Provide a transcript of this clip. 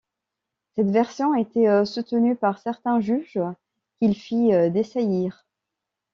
Cette version était soutenue par certains juges qu’il fit dessaisir.